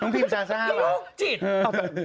น้องพิมพ์ซาซ่าว่ะน้องลูกจิต